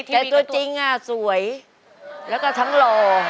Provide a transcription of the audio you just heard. แต่ตัวจริงสวยแล้วก็ทั้งหล่อ